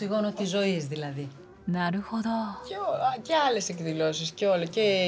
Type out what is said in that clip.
なるほど。